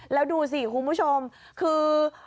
แล้วดูสิคุณผู้ชมคือ